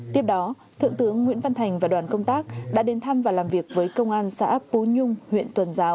tiếp đó thượng tướng nguyễn văn thành và đoàn công tác đã đến thăm và làm việc với công an xã pú nhung huyện tuần giáo